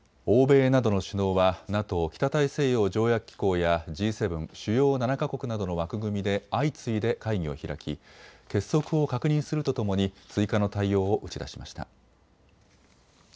欧米などの首脳はＮＡＴＯ・北大西洋条約機構やＧ７・主要７か国などの枠組みで相次いで会議を開き結束を確認するとともに追加の対応を打ち出しました。